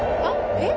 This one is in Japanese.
えっ？